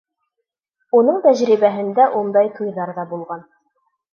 Уның тәжрибәһендә ундай туйҙар ҙа булған.